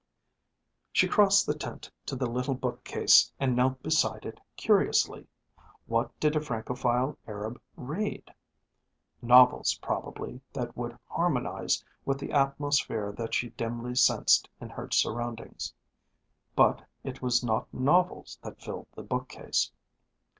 She crossed the tent to the little bookcase and knelt beside it curiously. What did a Francophile Arab read? Novels, probably, that would harmonise with the atmosphere that she dimly sensed in her surroundings. But it was not novels that filled the bookcase.